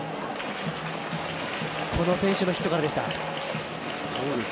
この選手からのヒットでした。